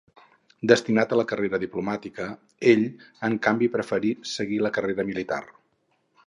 Destinat a la carrera diplomàtica ell, en canvi, preferí seguir la carrera militar.